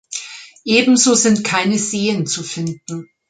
Ebenso sind keine Seen zu finden.